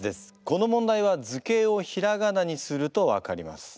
この問題は図形をひらがなにすると分かります。